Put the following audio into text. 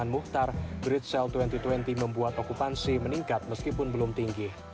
buktar great cell dua ribu dua puluh membuat okupansi meningkat meskipun belum tinggi